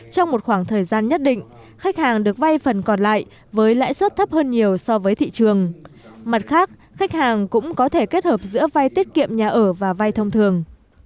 trong một khoảng thời gian nhất định khách hàng được vay phần còn lại với lãi suất thấp hơn nhiều so với thị trường mặt khác khách hàng cũng có thể kết hợp giữa vay tiết kiệm nhà ở và vay thông thường